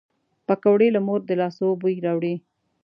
پکورې له مور د لاسو بوی راوړي